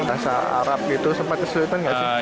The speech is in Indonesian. rasa arab itu sempat kesulitan gak sih